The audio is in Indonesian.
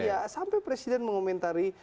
iya sampai presiden mengomentari